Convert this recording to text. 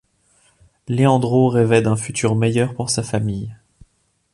Leandro rêvait d'un futur meilleur pour sa famille.